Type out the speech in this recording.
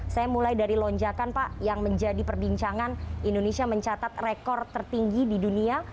saya mulai dari lonjakan pak yang menjadi perbincangan indonesia mencatat rekor tertinggi di dunia